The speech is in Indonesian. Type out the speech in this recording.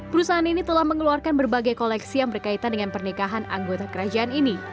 perusahaan ini telah mengeluarkan berbagai koleksi yang berkaitan dengan pernikahan anggota kerajaan ini